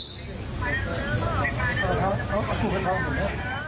ปล่อยลูกทางมาฮ่านด้วย